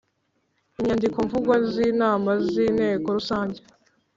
Inyandikomvugo z inama z Inteko Rusange